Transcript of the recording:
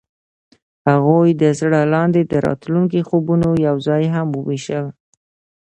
هغوی د زړه لاندې د راتلونکي خوبونه یوځای هم وویشل.